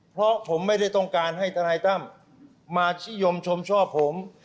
เพราะผมไม่ได้ต้องการให้ทนายตั้มมาชิยมชมชอบผม